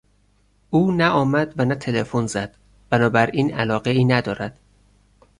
او نه آمد و نه تلفن زد; بنابراین علاقهای ندارد.